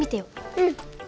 うん。